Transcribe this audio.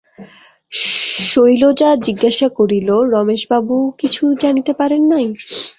শৈলজা জিজ্ঞাসা করিল, রমেশবাবুও কিছুই জানিতে পারেন নাই?